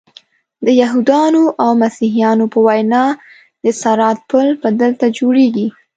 د یهودانو او مسیحیانو په وینا د صراط پل به دلته جوړیږي.